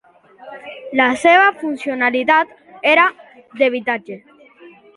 La seva funcionalitat era d'habitatge.